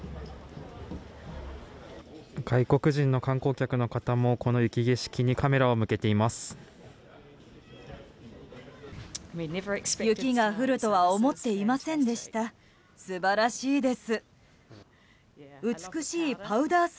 外国人の観光客の方もこの雪景色にカメラを向けています。